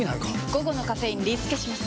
午後のカフェインリスケします！